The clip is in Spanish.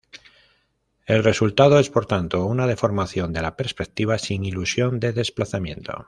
El resultado es por tanto una deformación de la perspectiva sin ilusión de desplazamiento.